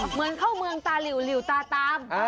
เหมือนเข้าเมืองตาหลิวหลิวตาตาม